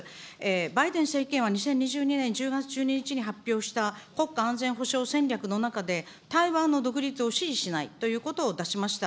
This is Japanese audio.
バイデン政権は２０２２年１０月１２日に発表した国家安全保障戦略の中で、台湾の独立を支持しないということを出しました。